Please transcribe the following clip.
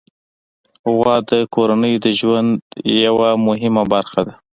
غوا د کورنۍ د ژوند یوه مهمه برخه ده.